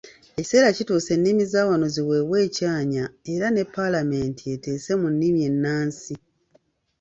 Ekiseera kituuse ennimi za wano ziweebwe ekyanya era ne Paalamenti eteese mu nnimi ennansi.